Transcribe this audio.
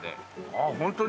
ああホントに？